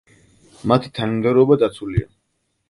მათი თანმიმდევრობა დაცულია.